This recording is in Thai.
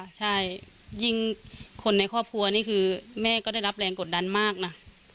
ใช่ยิ่งคนในครอบครัวนี่คือแม่ก็ได้รับแรงกดดันมากนะ